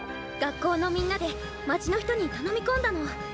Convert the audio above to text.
学校のみんなで街の人に頼み込んだの。